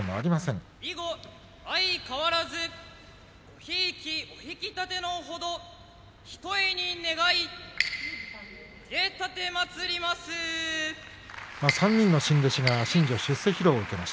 以後、相変わらずごひいきお引き立てのほどひとえに願い３人の新弟子新序出世披露です。